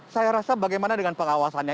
saya rasa bagaimana dengan pengawasannya